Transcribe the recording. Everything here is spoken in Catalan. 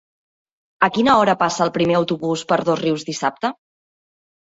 A quina hora passa el primer autobús per Dosrius dissabte?